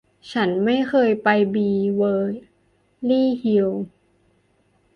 ฉันไม่เคยไปบีเวอร์ลี่ฮิลส์